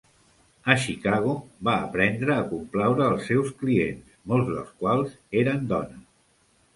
A Chicago va aprendre a complaure els seus clients, molts dels quals eren dones.